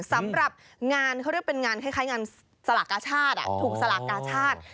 สำหรับงานเขาเรียกเป็นงานคล้ายงานสลากกาชาติถูกสลากกาชาติ